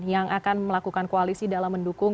yang akan melakukan koalisi dalam mendukung